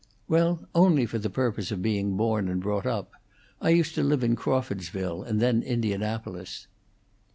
"Well, only for the purpose of being born, and brought up. I used to live in Crawfordsville, and then Indianapolis."